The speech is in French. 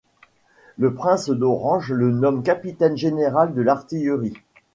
Le prince d'Orange le nomme capitaine général de l'artillerie.